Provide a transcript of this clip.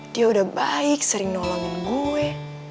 dia udah baik sering nolongin gue